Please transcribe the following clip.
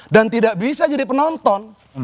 dan tidak bisa jadi penonton